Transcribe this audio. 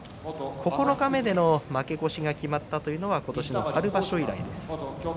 九日目での負け越しが決まったのは今年の春場所以来です。